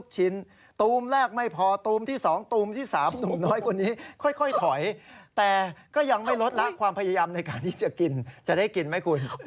จะได้กินไหมคุณ